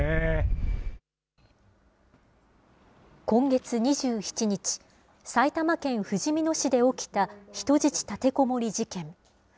今月２７日、埼玉県ふじみ野市で起きた人質立てこもり事件。